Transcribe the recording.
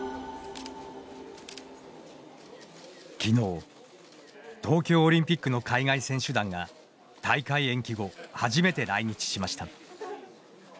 きのう、東京オリンピックの海外選手団が大会延期後、初めて来日しました。